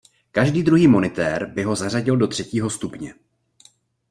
Každý druhý monitér by ho zařadil do třetího stupně.